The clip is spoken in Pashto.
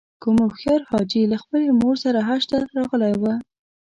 کوم هوښیار حاجي له خپلې مور سره حج ته راغلی و.